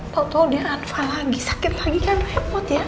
tau tau dia ranfa lagi sakit lagi kan repot ya